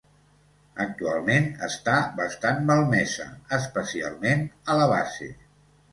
Actualment està bastant malmesa, especialment a la base.